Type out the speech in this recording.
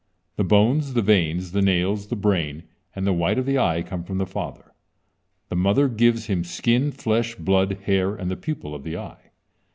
The bones, the veins, the nails, the brain, and the white of the eye come from the father. The mother gives him skin, flesh, blood, hair, and the pupil of the eye.